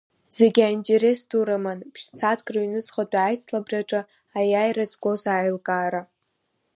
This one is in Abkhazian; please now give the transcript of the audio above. Зегь аинтерес ду рыман ԥшь-сааҭк рыҩнуҵҟатәи аицлабраҿы аиааира згоз аилкаара.